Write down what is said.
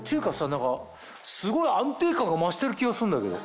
何かすごい安定感が増してる気がすんだけど。